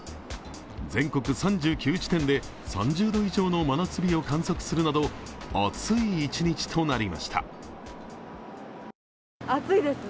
全国３９地点で３０度以上の真夏日を観測するなど暑い一日となりました。